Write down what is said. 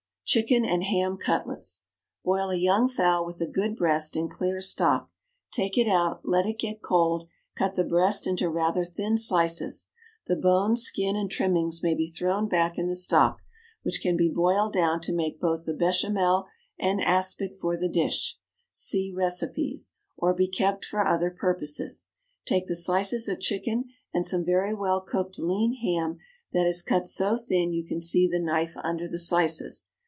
Chicken and Ham Cutlets. Boil a young fowl with a good breast in clear stock; take it out, let it get cold; cut the breast into rather thin slices. The bones, skin, and trimmings may be thrown back in the stock, which can be boiled down to make both the béchamel and aspic for the dish (see recipes), or be kept for other purposes. Take the slices of chicken and some very well cooked lean ham that is cut so thin you can see the knife under the slices.